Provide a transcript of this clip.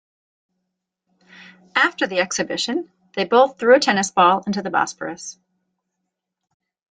After the exhibition, they both threw a tennis ball into the Bosporus.